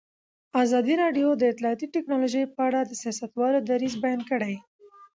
ازادي راډیو د اطلاعاتی تکنالوژي په اړه د سیاستوالو دریځ بیان کړی.